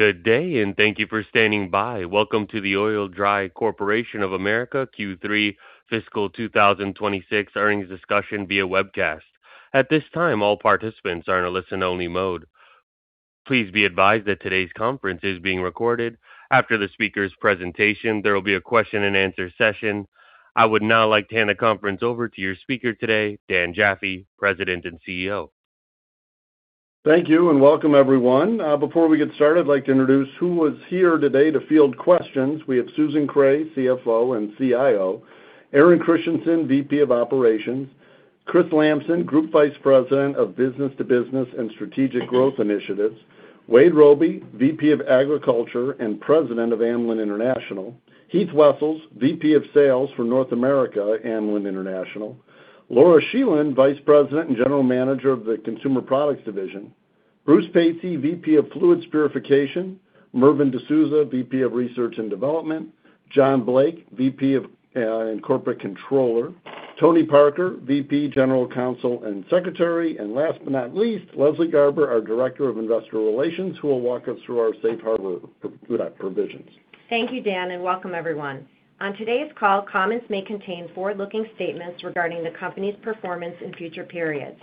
Good day. Thank you for standing by. Welcome to the Oil-Dri Corporation of America Q3 Fiscal 2026 Earnings Discussion via webcast. At this time, all participants are in a listen-only mode. Please be advised that today's conference is being recorded. After the speaker's presentation, there will be a question and answer session. I would now like to hand the conference over to your speaker today, Daniel Jaffee, President and CEO. Thank you. Welcome everyone. Before we get started, I'd like to introduce who is here today to field questions. We have Susan Kreh, CFO and CIO, Aaron Christiansen, VP of Operations, Chris Lamson, Group Vice President of Business-to-Business and Strategic Growth Initiatives, Wade Robey, VP of Agriculture and President of Amlan International, Heath Wessels, VP of Sales for North America, Amlan International, Laura Scheland, Vice President and General Manager of the Consumer Products Division, Bruce Patsey, VP of Fluid Purification, Mervyn de Souza, VP of Research and Development, John Blake, VP and Corporate Controller, Tony Parker, VP, General Counsel and Secretary. Last but not least, Leslie Garber, our Director of Investor Relations, who will walk us through our safe harbor provisions. Thank you, Dan. Welcome everyone. On today's call, comments may contain forward-looking statements regarding the company's performance in future periods.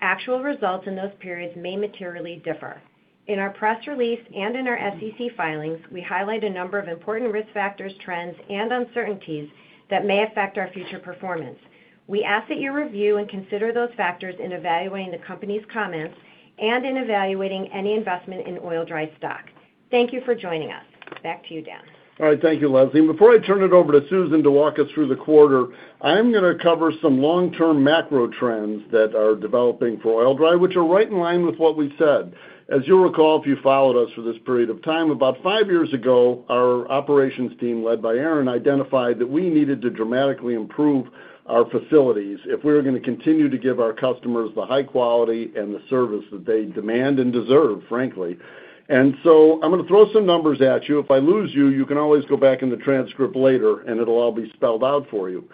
Actual results in those periods may materially differ. In our press release and in our SEC filings, we highlight a number of important risk factors, trends, and uncertainties that may affect our future performance. We ask that you review and consider those factors in evaluating the company's comments and in evaluating any investment in Oil-Dri stock. Thank you for joining us. Back to you, Dan. All right. Thank you, Leslie. Before I turn it over to Susan to walk us through the quarter, I am going to cover some long-term macro trends that are developing for Oil-Dri, which are right in line with what we said. As you'll recall, if you followed us for this period of time, about five years ago, our operations team, led by Aaron, identified that we needed to dramatically improve our facilities if we were going to continue to give our customers the high quality and the service that they demand and deserve, frankly. I'm going to throw some numbers at you. If I lose you can always go back in the transcript later, and it'll all be spelled out for you.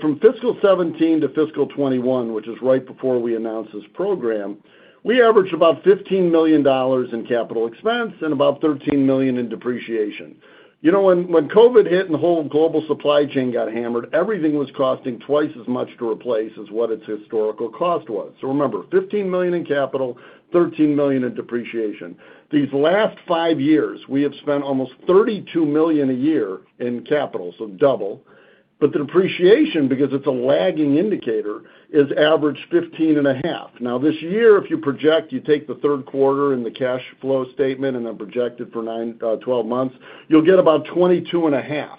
From fiscal 2017 to fiscal 2021, which is right before we announced this program, we averaged about $15 million in capital expense and about $13 million in depreciation. You know, when COVID hit and the whole global supply chain got hammered, everything was costing twice as much to replace as what its historical cost was. Remember, $15 million in capital, $13 million in depreciation. These last five years, we have spent almost $32 million a year in capital, so double. The depreciation, because it's a lagging indicator, is average $15.5. This year, if you project, you take the third quarter and the cash flow statement, and then project it for 12 months, you'll get about $22.5.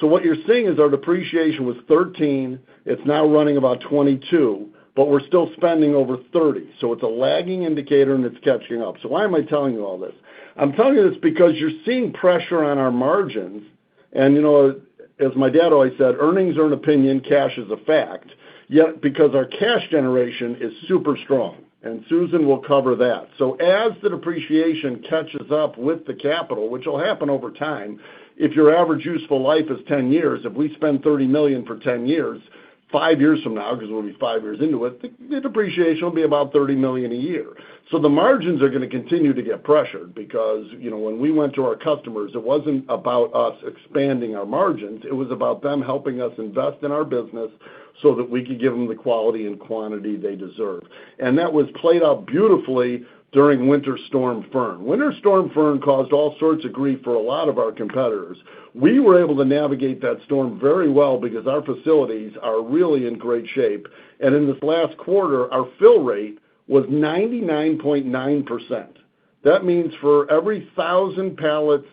What you're seeing is our depreciation was $13. It's now running about $22, but we're still spending over $30. It's a lagging indicator and it's catching up. Why am I telling you all this? I'm telling you this because you're seeing pressure on our margins, and as my dad always said, "Earnings are an opinion, cash is a fact." Yet because our cash generation is super strong, and Susan will cover that. As the depreciation catches up with the capital, which will happen over time, if your average useful life is 10 years, if we spend $30 million for 10 years, five years from now, because we'll be five years into it, the depreciation will be about $30 million a year. The margins are going to continue to get pressured because when we went to our customers, it wasn't about us expanding our margins, it was about them helping us invest in our business so that we could give them the quality and quantity they deserve. That was played out beautifully during Winter Storm Fern. Winter Storm Fern caused all sorts of grief for a lot of our competitors. We were able to navigate that storm very well because our facilities are really in great shape. In this last quarter, our fill rate was 99.9%. That means for every 1,000 pallets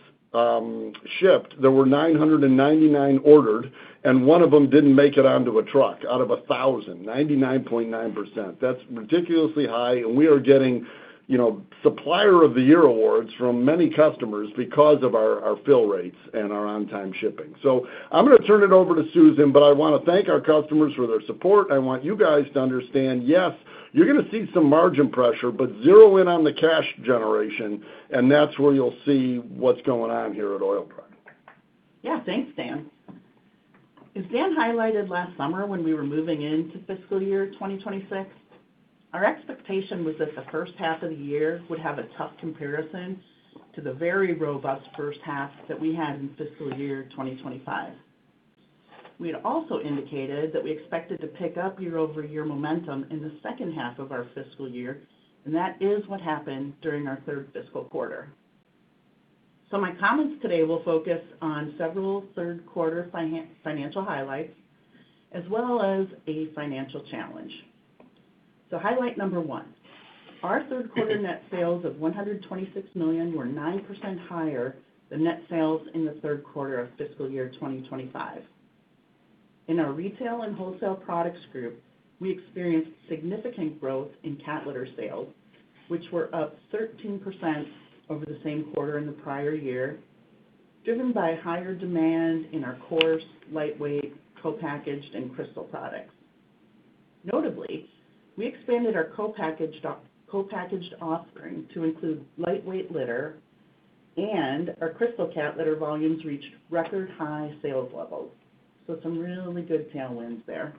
shipped, there were 999 ordered, and one of them didn't make it onto a truck out of a 1,000, 99.9%. That's ridiculously high, and we are getting Supplier of the Year awards from many customers because of our fill rates and our on-time shipping. I'm going to turn it over to Susan, I want to thank our customers for their support. I want you guys to understand, yes, you're going to see some margin pressure, zero in on the cash generation, and that's where you'll see what's going on here at Oil-Dri. Yeah. Thanks, Dan. As Dan highlighted last summer when we were moving into fiscal year 2026, our expectation was that the first half of the year would have a tough comparison to the very robust first half that we had in fiscal year 2025. We had also indicated that we expected to pick up year-over-year momentum in the second half of our fiscal year, and that is what happened during our third fiscal quarter. My comments today will focus on several third quarter financial highlights as well as a financial challenge. Highlight number one, our third quarter net sales of $126 million were 9% higher than net sales in the third quarter of fiscal year 2025. In our Retail and Wholesale Products Group, we experienced significant growth in cat litter sales, which were up 13% over the same quarter in the prior year, driven by higher demand in our coarse, lightweight, co-packaged, and crystal products. Notably, we expanded our co-packaged offering to include lightweight litter, and our crystal cat litter volumes reached record high sales levels. Some really good tailwinds there.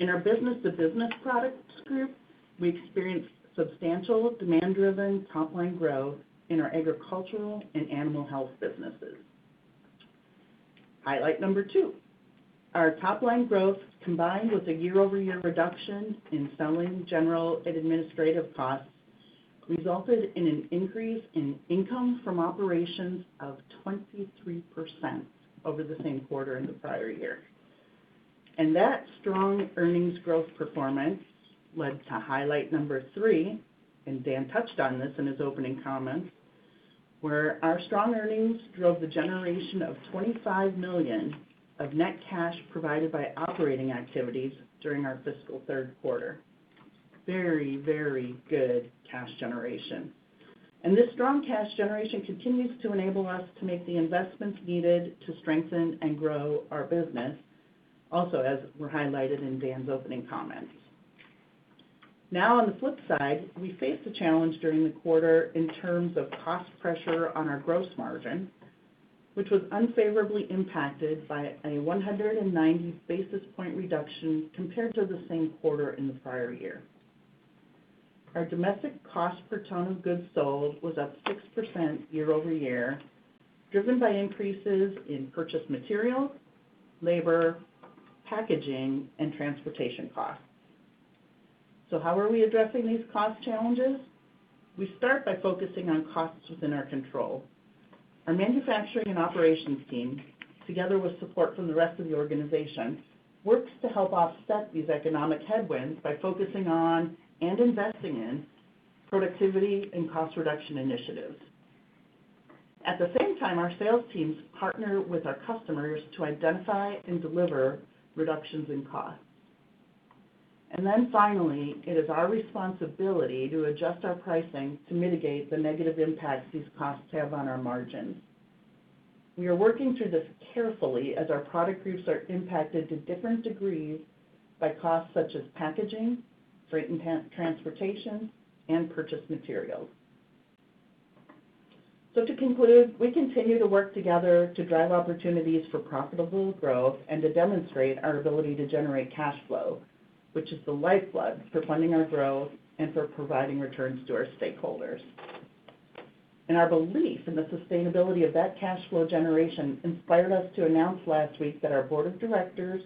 In our business-to-business products group, we experienced substantial demand-driven top-line growth in our agricultural and animal health businesses. Highlight number two, our top-line growth, combined with a year-over-year reduction in selling, general and administrative costs, resulted in an increase in income from operations of 23% over the same quarter in the prior year. That strong earnings growth performance led to highlight number three, and Dan touched on this in his opening comments, where our strong earnings drove the generation of $25 million of net cash provided by operating activities during our fiscal third quarter. Very good cash generation. This strong cash generation continues to enable us to make the investments needed to strengthen and grow our business, also as were highlighted in Dan's opening comments. Now on the flip side, we faced a challenge during the quarter in terms of cost pressure on our gross margin, which was unfavorably impacted by a 190 basis point reduction compared to the same quarter in the prior year. Our domestic cost per ton of goods sold was up 6% year-over-year, driven by increases in purchased materials, labor, packaging, and transportation costs. How are we addressing these cost challenges? We start by focusing on costs within our control. Our manufacturing and operations team, together with support from the rest of the organization, works to help offset these economic headwinds by focusing on and investing in productivity and cost reduction initiatives. At the same time, our sales teams partner with our customers to identify and deliver reductions in costs. Finally, it is our responsibility to adjust our pricing to mitigate the negative impacts these costs have on our margins. We are working through this carefully as our product groups are impacted to different degrees by costs such as packaging, freight and transportation, and purchased materials. To conclude, we continue to work together to drive opportunities for profitable growth and to demonstrate our ability to generate cash flow, which is the lifeblood for funding our growth and for providing returns to our stakeholders. Our belief in the sustainability of that cash flow generation inspired us to announce last week that our board of directors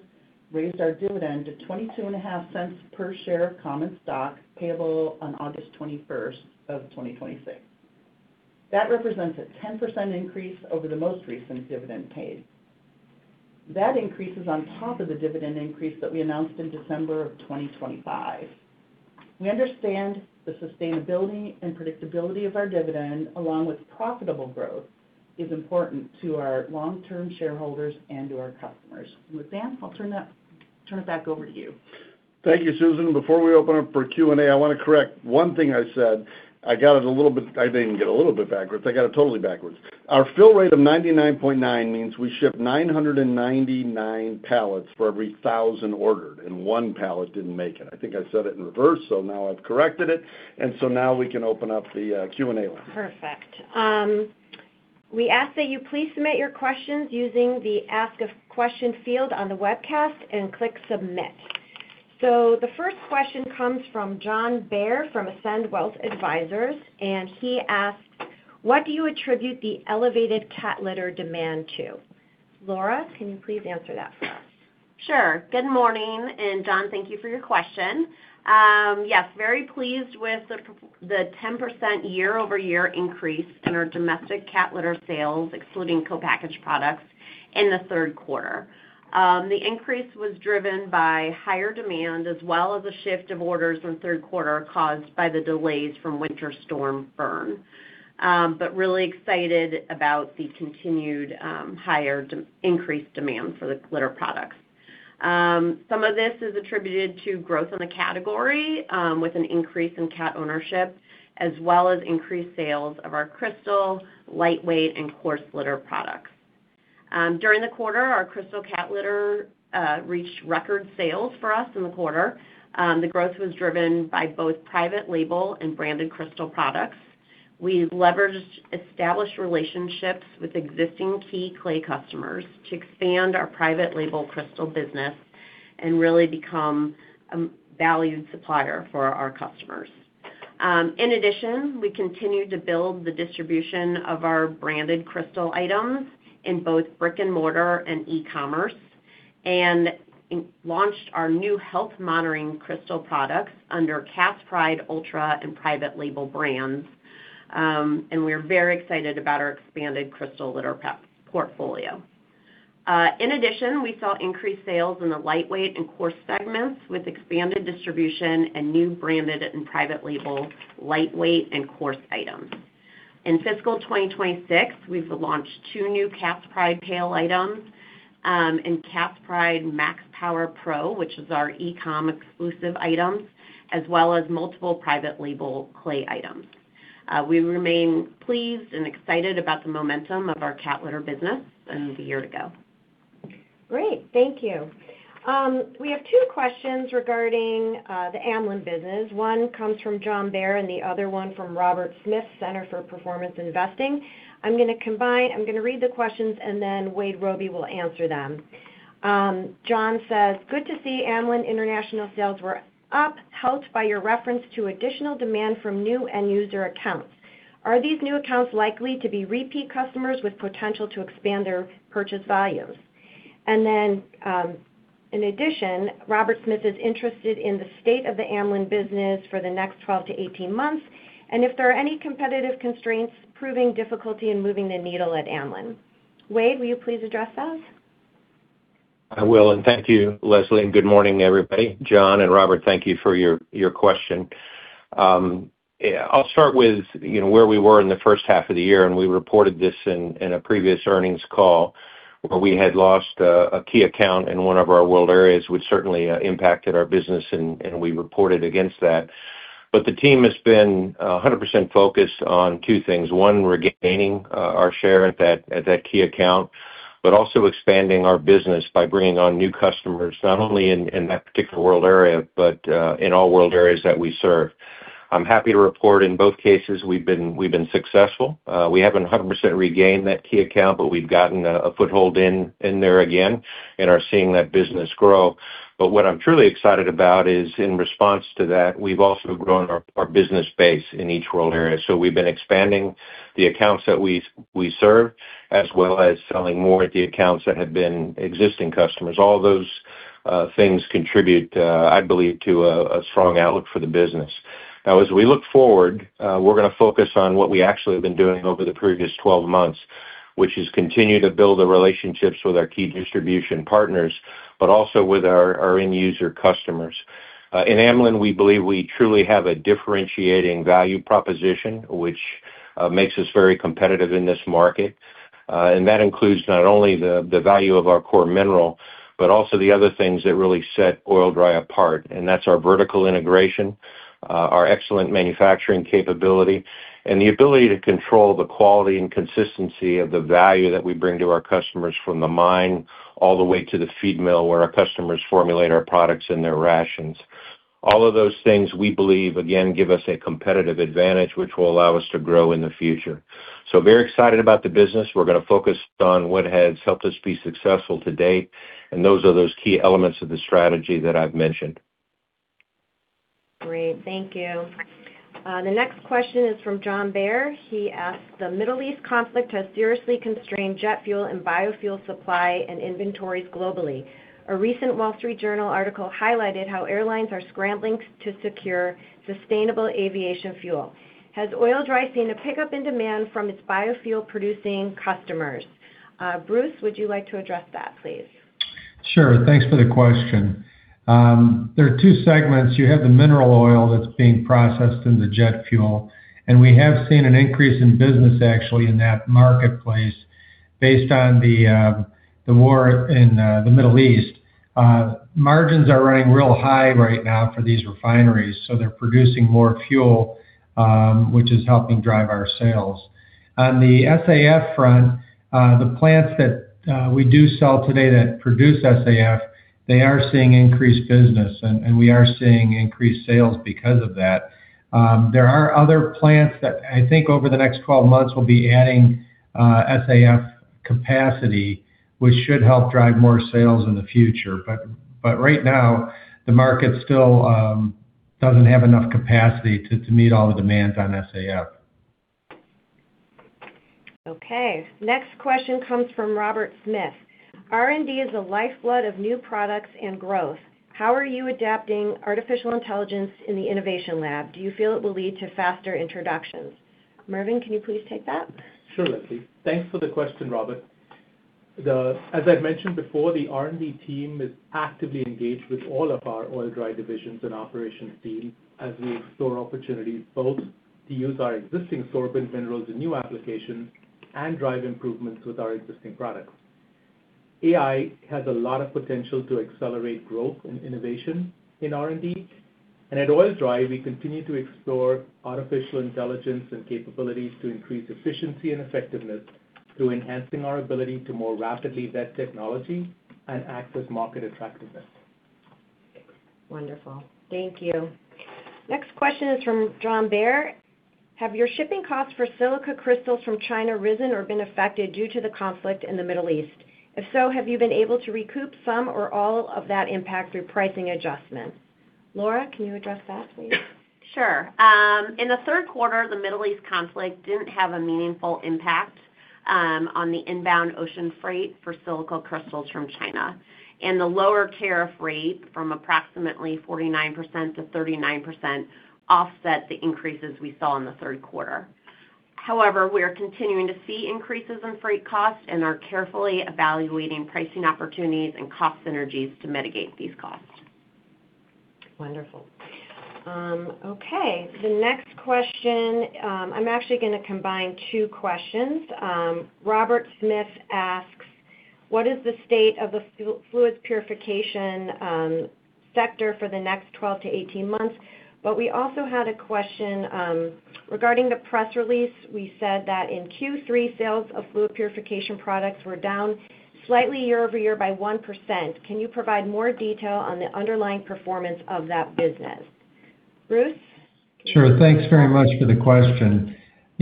raised our dividend to $0.225 per share of common stock payable on August 21st of 2026. That represents a 10% increase over the most recent dividend paid. That increase is on top of the dividend increase that we announced in December of 2025. We understand the sustainability and predictability of our dividend, along with profitable growth, is important to our long-term shareholders and to our customers. With that, I'll turn it back over to you. Thank you, Susan. Before we open up for Q&A, I want to correct one thing I said. I didn't get a little bit backwards. I got it totally backwards. Our fill rate of 99.9 means we ship 999 pallets for every 1,000 ordered, and one pallet didn't make it. I think I said it in reverse, now I've corrected it, and now we can open up the Q&A line. Perfect. We ask that you please submit your questions using the Ask a Question field on the webcast and click Submit. The first question comes from John Bair from Ascend Wealth Advisors, and he asks, "What do you attribute the elevated cat litter demand to?" Laura, can you please answer that for us? Sure. Good morning. John, thank you for your question. Yes, very pleased with the 10% year-over-year increase in our domestic cat litter sales, excluding co-package products in the third quarter. The increase was driven by higher demand as well as a shift of orders from third quarter caused by the delays from Winter Storm Fern. Really excited about the continued increased demand for the litter products. Some of this is attributed to growth in the category, with an increase in cat ownership, as well as increased sales of our crystal, lightweight, and coarse litter products. During the quarter, our crystal cat litter reached record sales for us in the quarter. The growth was driven by both private label and branded crystal products. We've leveraged established relationships with existing key clay customers to expand our private label crystal business and really become a valued supplier for our customers. In addition, we continued to build the distribution of our branded crystal items in both brick and mortar and e-commerce and launched our new health monitoring crystal products under Cat's Pride Ultra and private label brands. We're very excited about our expanded crystal litter portfolio. In addition, we saw increased sales in the lightweight and coarse segments with expanded distribution and new branded and private label lightweight and coarse items. In fiscal 2026, we've launched two new Cat's Pride pails items, and Cat's Pride Max Power Pro, which is our e-com exclusive items, as well as multiple private label clay items. We remain pleased and excited about the momentum of our cat litter business than a year ago. Great. Thank you. We have two questions regarding the Amlan business. One comes from John Bair and the other one from Robert Smith, Center for Performance Investing. I'm going to read the questions, and then Wade Robey will answer them. John says, "Good to see Amlan International sales were up, helped by your reference to additional demand from new end user accounts. Are these new accounts likely to be repeat customers with potential to expand their purchase volumes?" In addition, Robert Smith is interested in the state of the Amlan business for the next 12-18 months, and if there are any competitive constraints proving difficulty in moving the needle at Amlan. Wade, will you please address those? I will, and thank you, Leslie, and good morning, everybody. John and Robert, thank you for your question. I'll start with where we were in the first half of the year. We reported this in a previous earnings call, where we had lost a key account in one of our world areas, which certainly impacted our business. We reported against that. The team has been 100% focused on two things. One, regaining our share at that key account, also expanding our business by bringing on new customers, not only in that particular world area, but in all world areas that we serve. I'm happy to report in both cases, we've been successful. We haven't 100% regained that key account, but we've gotten a foothold in there again and are seeing that business grow. What I'm truly excited about is, in response to that, we've also grown our business base in each world area. We've been expanding the accounts that we serve as well as selling more at the accounts that have been existing customers. All those things contribute, I believe, to a strong outlook for the business. Now, as we look forward, we're going to focus on what we actually have been doing over the previous 12 months, which is continue to build the relationships with our key distribution partners, but also with our end user customers. In Amlan, we believe we truly have a differentiating value proposition, which makes us very competitive in this market. That includes not only the value of our core mineral, but also the other things that really set Oil-Dri apart, and that's our vertical integration, our excellent manufacturing capability, and the ability to control the quality and consistency of the value that we bring to our customers from the mine all the way to the feed mill, where our customers formulate our products in their rations. All of those things, we believe, again, give us a competitive advantage which will allow us to grow in the future. Very excited about the business. We're going to focus on what has helped us be successful to date, and those are those key elements of the strategy that I've mentioned. Great. Thank you. The next question is from John Bair. He asks, "The Middle East conflict has seriously constrained jet fuel and biofuel supply and inventories globally. A recent Wall Street Journal article highlighted how airlines are scrambling to secure sustainable aviation fuel. Has Oil-Dri seen a pickup in demand from its biofuel-producing customers?" Bruce Patsey, would you like to address that, please? Sure. Thanks for the question. There are two segments. You have the mineral oil that's being processed into jet fuel, we have seen an increase in business actually in that marketplace based on the war in the Middle East. Margins are running real high right now for these refineries, they're producing more fuel, which is helping drive our sales. On the SAF front, the plants that we do sell today that produce SAF, they are seeing increased business, and we are seeing increased sales because of that. There are other plants that I think over the next 12 months will be adding SAF capacity, which should help drive more sales in the future. Right now, the market still doesn't have enough capacity to meet all the demands on SAF. Okay. Next question comes from Robert Smith. "R&D is the lifeblood of new products and growth. How are you adapting artificial intelligence in the innovation lab? Do you feel it will lead to faster introductions?" Mervyn, can you please take that? Sure, Leslie. Thanks for the question, Robert. As I've mentioned before, the R&D team is actively engaged with all of our Oil-Dri divisions and operations teams as we explore opportunities both to use our existing sorbent minerals in new applications and drive improvements with our existing products. AI has a lot of potential to accelerate growth and innovation in R&D, at Oil-Dri, we continue to explore artificial intelligence and capabilities to increase efficiency and effectiveness through enhancing our ability to more rapidly vet technology and access market attractiveness. Wonderful. Thank you. Next question is from John Bair. "Have your shipping costs for silica crystals from China risen or been affected due to the conflict in the Middle East? If so, have you been able to recoup some or all of that impact through pricing adjustments?" Laura, can you address that, please? Sure. In the third quarter, the Middle East conflict didn't have a meaningful impact on the inbound ocean freight for silica crystals from China, the lower tariff rate from approximately 49%-39% offset the increases we saw in the third quarter. However, we are continuing to see increases in freight costs and are carefully evaluating pricing opportunities and cost synergies to mitigate these costs. Wonderful. Okay, the next question, I am actually going to combine two questions. Robert Smith asks, "What is the state of the Fluid Purification sector for the next 12-18 months?" We also had a question regarding the press release. We said that in Q3, sales of Fluid Purification products were down slightly year-over-year by 1%. Can you provide more detail on the underlying performance of that business, Bruce? Sure. Thanks very much for the question.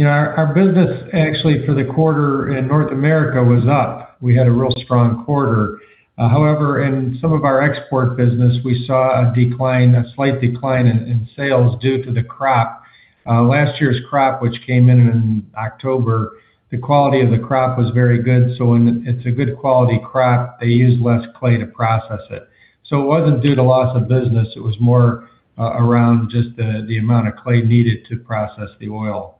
Our business actually for the quarter in North America was up. We had a real strong quarter. In some of our export business, we saw a slight decline in sales due to the crop. Last year's crop, which came in in October, the quality of the crop was very good. When it is a good quality crop, they use less clay to process it. It was not due to loss of business, it was more around just the amount of clay needed to process the oil.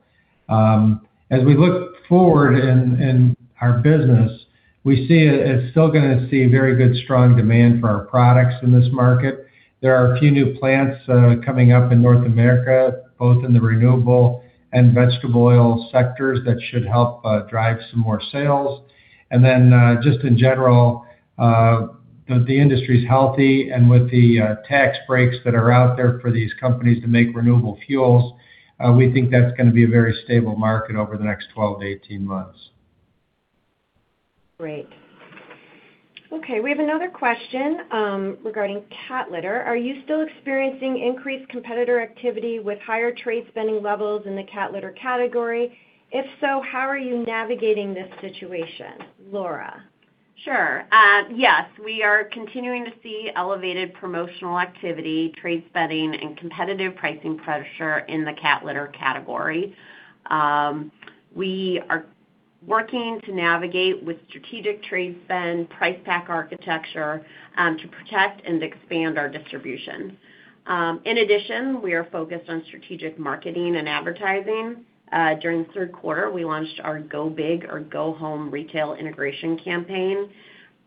As we look forward in our business, we see it is still going to see very good, strong demand for our products in this market. There are a few new plants coming up in North America, both in the renewable and vegetable oil sectors that should help drive some more sales. Just in general, the industry is healthy and with the tax breaks that are out there for these companies to make renewable fuels, we think that is going to be a very stable market over the next 12-18 months. Great. Okay, we have another question regarding cat litter. Are you still experiencing increased competitor activity with higher trade spending levels in the cat litter category? If so, how are you navigating this situation, Laura? Sure. Yes, we are continuing to see elevated promotional activity, trade spending, and competitive pricing pressure in the cat litter category. We are working to navigate with strategic trade spend price pack architecture to protect and expand our distribution. In addition, we are focused on strategic marketing and advertising. During the third quarter, we launched our Go Big or Go Home retail integration campaign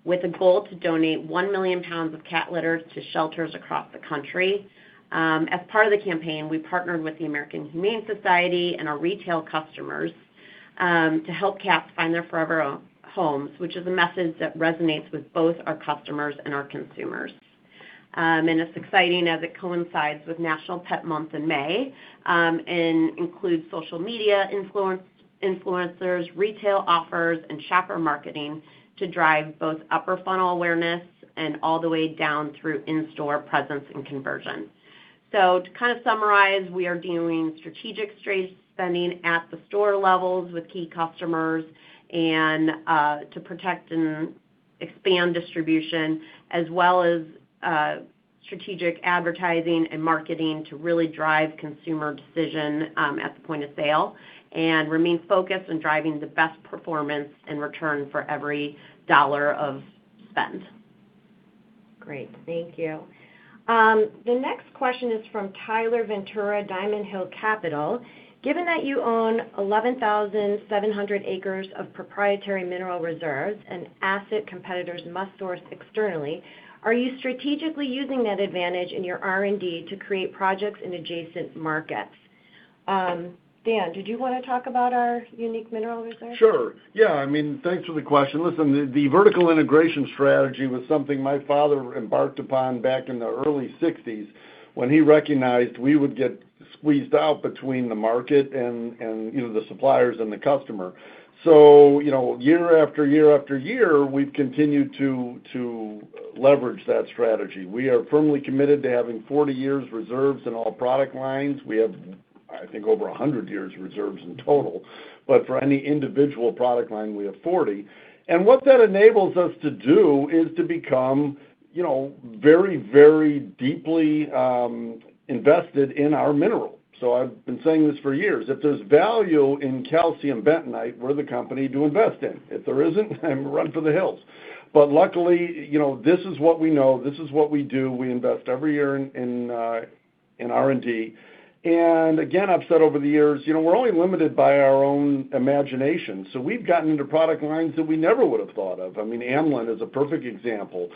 with a goal to donate 1 million pounds of cat litter to shelters across the country. As part of the campaign, we partnered with the American Humane Society and our retail customers to help cats find their forever homes, which is a message that resonates with both our customers and our consumers. It's exciting as it coincides with National Pet Month in May, and includes social media influencers, retail offers, and shopper marketing to drive both upper funnel awareness and all the way down through in-store presence and conversion. To kind of summarize, we are doing strategic trade spending at the store levels with key customers and to protect and expand distribution as well as strategic advertising and marketing to really drive consumer decision at the point of sale. We remain focused on driving the best performance and return for every dollar of spend. Great. Thank you. The next question is from Tyler Ventura, Diamond Hill Capital. Given that you own 11,700 acres of proprietary mineral reserves, an asset competitors must source externally, are you strategically using that advantage in your R&D to create projects in adjacent markets? Dan, did you want to talk about our unique mineral reserves? Sure. Yeah, thanks for the question. Listen, the vertical integration strategy was something my father embarked upon back in the early 1960s when he recognized we would get squeezed out between the market and the suppliers and the customer. Year after year after year, we've continued to leverage that strategy. We are firmly committed to having 40 years reserves in all product lines. We have, I think, over 100 years reserves in total. But for any individual product line, we have 40. What that enables us to do is to become very deeply invested in our mineral. I've been saying this for years, if there's value in calcium bentonite, we're the company to invest in. If there isn't, then run for the hills. Luckily, this is what we know. This is what we do. We invest every year in R&D. Again, I've said over the years, we're only limited by our own imagination. We've gotten into product lines that we never would've thought of. Amlan is a perfect example.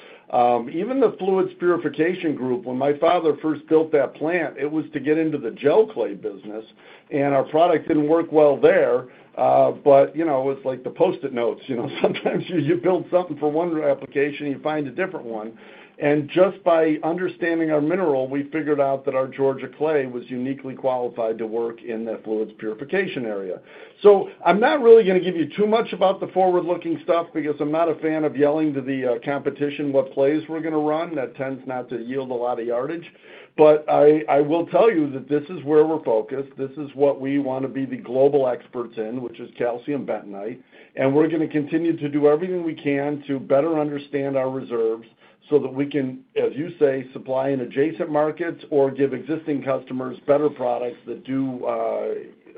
Even the Fluid Purification group, when my father first built that plant, it was to get into the gel clay business, and our product didn't work well there. It was like the Post-it Notes. Sometimes you build something for one application, you find a different one. Just by understanding our mineral, we figured out that our Georgia clay was uniquely qualified to work in that Fluid Purification area. I'm not really going to give you too much about the forward-looking stuff because I'm not a fan of yelling to the competition what plays we're going to run. That tends not to yield a lot of yardage. I will tell you that this is where we're focused. This is what we want to be the global experts in, which is calcium bentonite. We're going to continue to do everything we can to better understand our reserves so that we can, as you say, supply in adjacent markets or give existing customers better products that do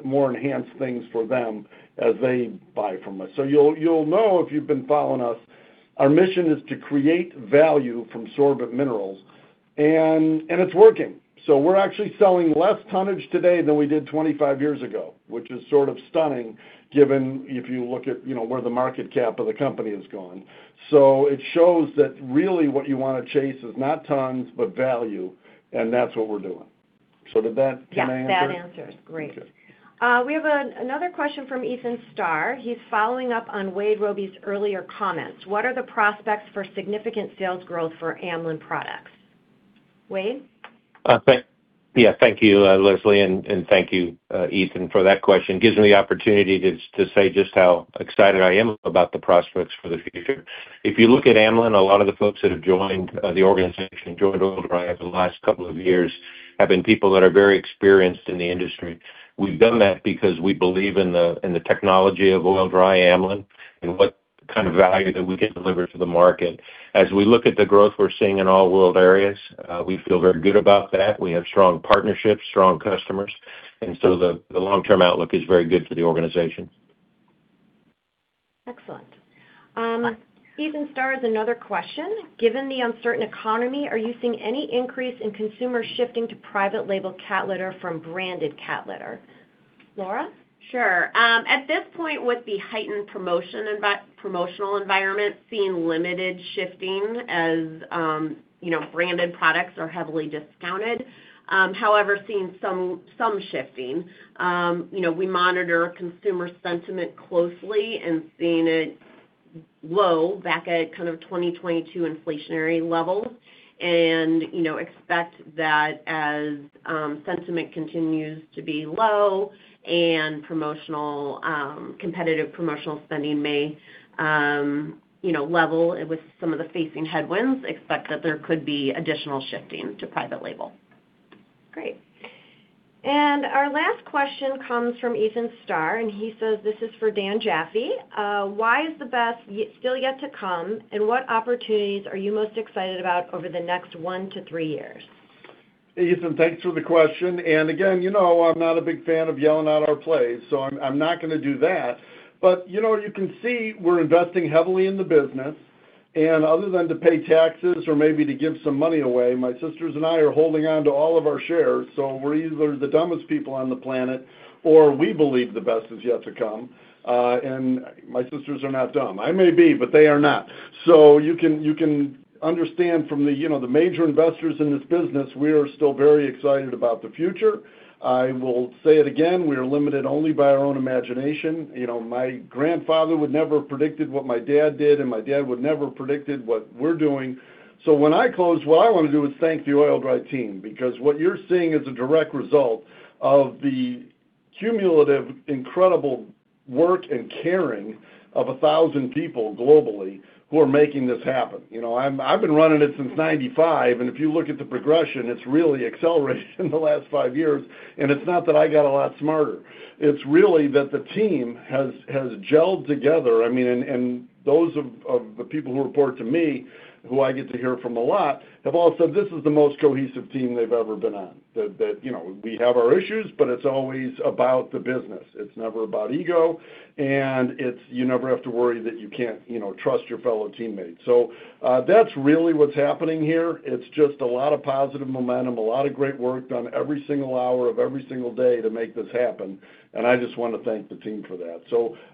more enhanced things for them as they buy from us. You'll know if you've been following us, our mission is to create value from sorbent minerals, and it's working. We're actually selling less tonnage today than we did 25 years ago, which is sort of stunning given if you look at where the market cap of the company has gone. It shows that really what you want to chase is not tons, but value, and that's what we're doing. Did that kind of answer? Yeah, that answers. Great. Okay. We have another question from Ethan Starr. He's following up on Wade Robey's earlier comments. What are the prospects for significant sales growth for Amlan products? Wade? Yeah. Thank you, Leslie, and thank you, Ethan, for that question. Gives me the opportunity to say just how excited I am about the prospects for the future. If you look at Amlan, a lot of the folks that have joined the organization, joined Oil-Dri over the last couple of years, have been people that are very experienced in the industry. We've done that because we believe in the technology of Oil-Dri Amlan, and what kind of value that we can deliver to the market. As we look at the growth we're seeing in all world areas, we feel very good about that. We have strong partnerships, strong customers, the long-term outlook is very good for the organization. Excellent. Ethan Starr has another question: Given the uncertain economy, are you seeing any increase in consumer shifting to private label cat litter from branded cat litter? Laura? Sure. At this point, with the heightened promotional environment, seeing limited shifting as branded products are heavily discounted. However, seeing some shifting. We monitor consumer sentiment closely and seeing it low, back at kind of 2022 inflationary levels. Expect that as sentiment continues to be low and competitive promotional spending may level with some of the facing headwinds, expect that there could be additional shifting to private label. Great. Our last question comes from Ethan Starr, and he says, this is for Daniel Jaffee. Why is the best still yet to come, and what opportunities are you most excited about over the next one to three years? Ethan, thanks for the question. Again, you know I'm not a big fan of yelling out our plays, I'm not going to do that. You can see we're investing heavily in the business, and other than to pay taxes or maybe to give some money away, my sisters and I are holding on to all of our shares, we're either the dumbest people on the planet or we believe the best is yet to come. My sisters are not dumb. I may be, but they are not. You can understand from the major investors in this business, we are still very excited about the future. I will say it again, we are limited only by our own imagination. My grandfather would never have predicted what my dad did, and my dad would never have predicted what we're doing. When I close, what I want to do is thank the Oil-Dri team, because what you're seeing is a direct result of the cumulative incredible work and caring of 1,000 people globally who are making this happen. I've been running it since 1995, and if you look at the progression, it's really accelerated in the last five years. It's not that I got a lot smarter. It's really that the team has gelled together. Those of the people who report to me, who I get to hear from a lot, have all said this is the most cohesive team they've ever been on. That we have our issues, but it's always about the business. It's never about ego, and you never have to worry that you can't trust your fellow teammates. That's really what's happening here. It's just a lot of positive momentum, a lot of great work done every single hour of every single day to make this happen, and I just want to thank the team for that.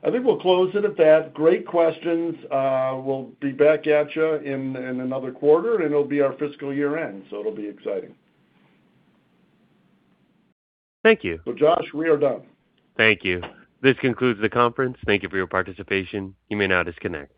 I think we'll close it at that. Great questions. We'll be back at you in another quarter, it'll be our fiscal year end, it'll be exciting. Thank you. Josh, we are done. Thank you. This concludes the conference. Thank you for your participation. You may now disconnect.